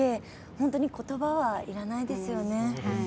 本当に言葉はいらないですよね。